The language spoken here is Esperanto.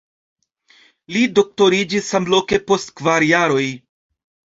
Li doktoriĝis samloke post kvar jaroj.